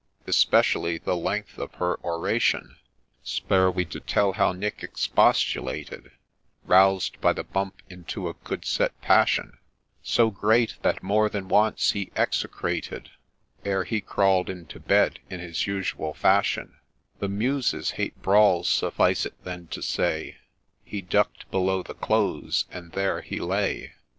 Especially the length of her oration, — Spare we to tell how Nick expostulated, Roused by the bump into a good set passion, So great, that more than once he execrated, Ere he crawl'd into bed in his usual fashion ;— The Muses hate brawls ; suffice it then to say, He duck'd below the clothes — and there he lay